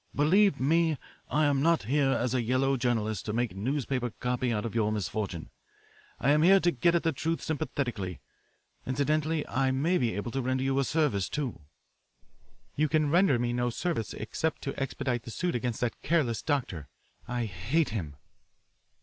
Believe me, I am not here as a yellow journalist to make newspaper copy out of your misfortune. I am here to get at the truth sympathetically. Incidentally, I may be able to render you a service, too." "You can render me no service except to expedite the suit against that careless doctor I hate him."